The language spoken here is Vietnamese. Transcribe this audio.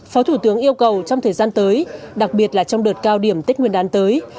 phó thủ tướng yêu cầu trong thời gian tới đặc biệt là trong đợt cao điểm tết nguyên đán tới